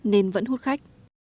nên vẫn hút khách